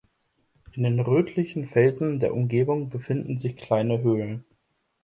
In den rötlichen Felsen der Umgebung befinden sich kleine Höhlen.